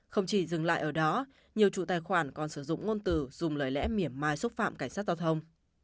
không chỉ dừng lại ở đó nhiều chủ tài khoản còn sử dụng ngôn từ dùng lời lẽ mỉa mai xúc phạm cảnh sát giao thông